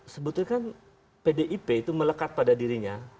sebetulnya kan pdip itu melekat pada dirinya